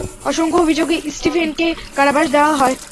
অসংখ্য অভিযোগে স্টিফেনকে কারাবাস দেওয়া হয়।